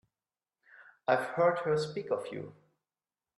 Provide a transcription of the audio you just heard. I've heard her speak of you.